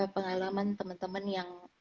pengalaman temen temen yang